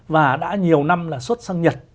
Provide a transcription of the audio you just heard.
và đã nhiều năm là xuất sang nhật